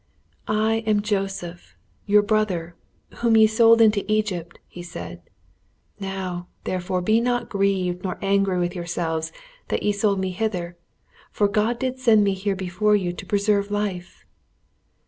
"I am Joseph, your brother, whom ye sold into Egypt," he said. "Now, therefore, be not grieved nor angry with yourselves that ye sold me hither, for God did send me before you to preserve life."